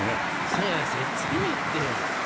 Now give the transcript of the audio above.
そうせっつくなって。